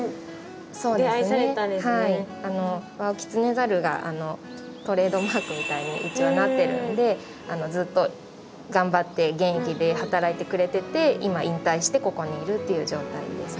ワオキツネザルがトレードマークみたいにうちはなってるのでずっと頑張って元気で働いてくれてて今引退してここにいるっていう状態ですね。